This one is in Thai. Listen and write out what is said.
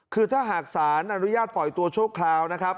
คือถ้าหากสารอนุญาตปล่อยตัวชั่วคราวนะครับ